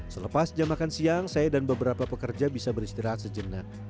selepas jam makan siang saya dan beberapa pekerja bisa beristirahat sejenak